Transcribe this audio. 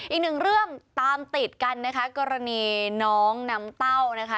อีกหนึ่งเรื่องตามติดกันนะคะกรณีน้องน้ำเต้านะคะ